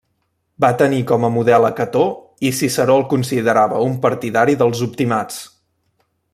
Va tenir com a model a Cató i Ciceró el considerava un partidari dels optimats.